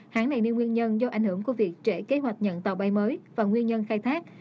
hãng này nêu nguyên nhân do ảnh hưởng của việc trễ kế hoạch nhận tàu bay mới và nguyên nhân khai thác